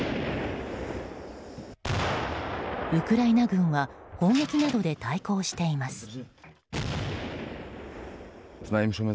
ウクライナ軍は砲撃などで対抗しています。